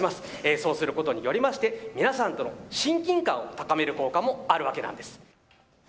そうすることによりまして皆さんとの親近感を高める効果もあるわけなんです。